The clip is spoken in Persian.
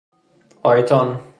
آیتان